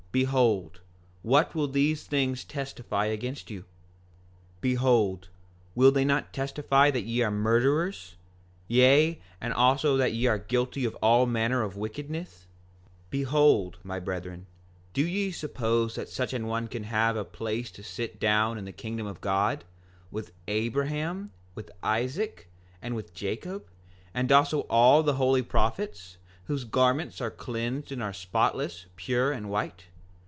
Behold, what will these things testify against you? 5:23 Behold will they not testify that ye are murderers, yea, and also that ye are guilty of all manner of wickedness? 5:24 Behold, my brethren, do ye suppose that such an one can have a place to sit down in the kingdom of God, with Abraham, with Isaac, and with Jacob, and also all the holy prophets, whose garments are cleansed and are spotless, pure and white?